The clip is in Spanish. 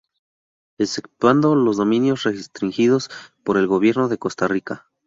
Exceptuando los dominios restringidos por el gobierno de Costa Rica.